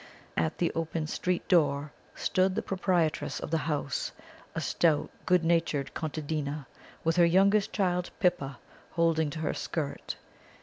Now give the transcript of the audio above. At the open street door stood the proprietress of the house, a stout, good natured contadina, with her youngest child Pippa holding to her skirt.